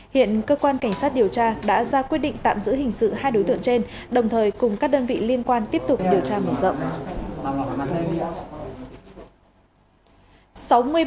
hiện cơ quan cảnh sát điều tra đã ra quyết định tạm giữ hình sự hai đối tượng trên đồng thời cùng các đơn vị liên quan tiếp tục điều tra mở rộng